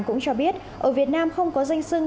cũng cho biết ở việt nam không có danh sưng